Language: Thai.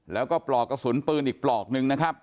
แล้วก็ปลอกกระสุนปืนอีกปลอกนึงนะครับ